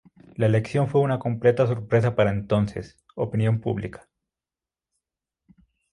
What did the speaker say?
La elección fue una completa sorpresa para el entonces "opinión pública".